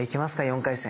４回戦！